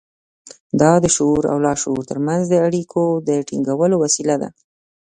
دا د شعور او لاشعور ترمنځ د اړيکو د ټينګولو وسيله ده.